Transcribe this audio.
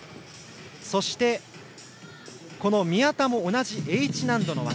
そして、宮田も同じＨ難度の技。